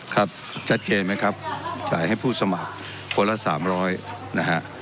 ครับชัดเจนไหมครับจ่ายให้ผู้สมัครคนละสามร้อยนะฮะ